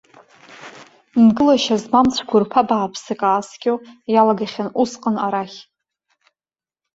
Нкылашьа змамыз цәқәырԥа бааԥсык ааскьо иалагахьан усҟан арахь.